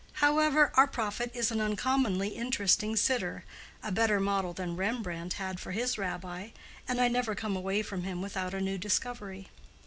However, our prophet is an uncommonly interesting sitter—a better model than Rembrandt had for his Rabbi—and I never come away from him without a new discovery.